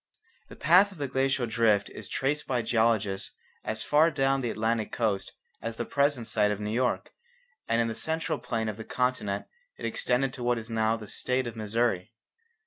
The path of the glacial drift is traced by geologists as far down the Atlantic coast as the present site of New York, and in the central plain of the continent it extended to what is now the state of Missouri.